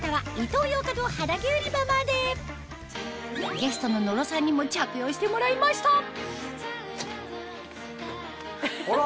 ゲストの野呂さんにも着用してもらいましたあら？